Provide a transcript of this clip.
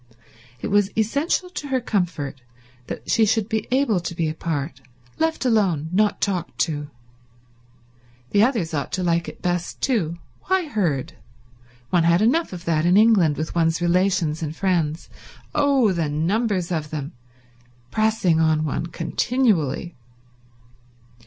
It was essential to her comfort that she should be able to be apart, left alone, not talked to. The others ought to like it best too. Why herd? One had enough of that in England, with one's relations and friends—oh, the numbers of them!—pressing on one continually.